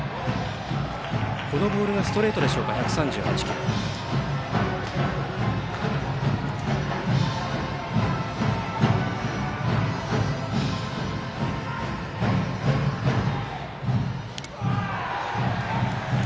今のボールはストレートでしょうか１３８キロでした。